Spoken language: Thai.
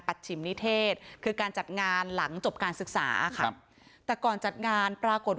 ฉิมนิเทศคือการจัดงานหลังจบการศึกษาค่ะแต่ก่อนจัดงานปรากฏ